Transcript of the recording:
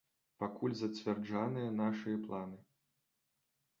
Пакуль зацверджаныя нашыя планы.